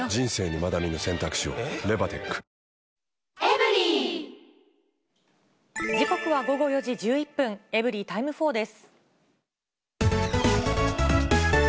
「ビオレ」時刻は午後４時１１分、エブリィタイム４です。